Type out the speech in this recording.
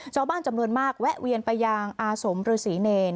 เจ้าบ้านจำนวนมากแวะเวียนไปยางอาสมหรือศรีเนร